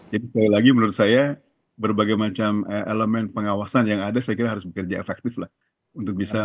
jadi saya lagi menurut saya berbagai macam elemen pengawasan yang ada saya kira harus bekerja efektif lah untuk bisa